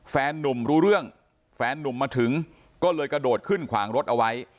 แฟนนุ่มรู้เรื่องแฟนนุ่มมาถึงก็เลยกระโดดขึ้นขวางรถเอาไว้